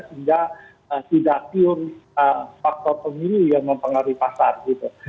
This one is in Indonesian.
sehingga tidak pure faktor pemilu yang mempengaruhi pasar gitu